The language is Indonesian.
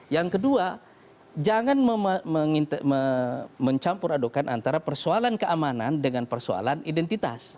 yang kedua jangan mencampur adukan antara persoalan keamanan dengan persoalan identitas